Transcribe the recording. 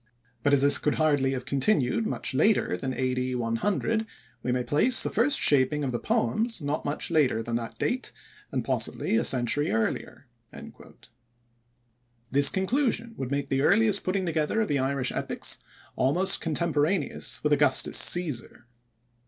But as this could hardly have continued much later than A.D. 100, we may place the first shaping of the poems not much later than that date and possibly a century earlier." This conclusion would make the earliest putting together of the Irish epics almost contemporaneous with Augustus Cæsar.